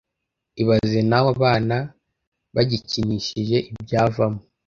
Ibaze nawe abana bagikinishije ibyavamo